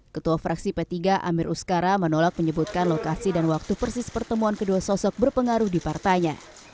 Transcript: ketua fraksi p tiga amir uskara menolak menyebutkan lokasi dan waktu persis pertemuan kedua sosok berpengaruh di partainya